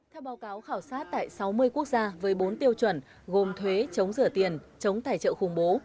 theo báo cáo khảo sát tại sáu mươi quốc gia với bốn tiêu chuẩn gồm thuế chống rửa tiền chống tài trợ khủng bố